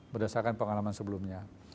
berdasarkan pengalaman sebelumnya